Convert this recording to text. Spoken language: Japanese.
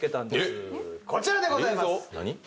こちらでございます！